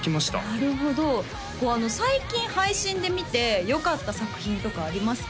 なるほどこう最近配信で見てよかった作品とかありますか？